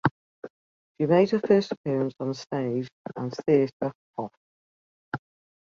She made her first appearance on stage at Theater Hof.